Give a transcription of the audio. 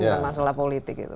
masalah politik itu